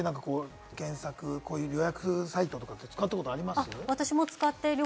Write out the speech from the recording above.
こういう検索予約サイトとかって使ったことありますか？